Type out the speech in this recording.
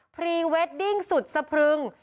พรีเวดดิ้งสุดสะพรึง